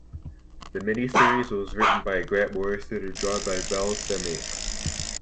The mini-series was written by Grant Morrison and drawn by Val Semeiks.